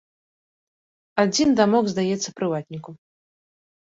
Адзін дамок здаецца прыватніку.